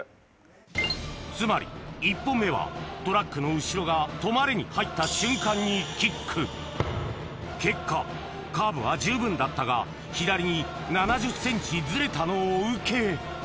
つまり１本目はトラックの後ろが「止まれ」に入った瞬間にキック結果カーブは十分だったが左に７０ｃｍズレたのを受け